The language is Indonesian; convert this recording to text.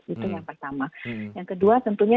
itu yang pertama yang kedua tentunya